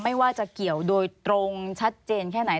ไม่ว่าจะเกี่ยวโดยตรงชัดเจนแค่ไหน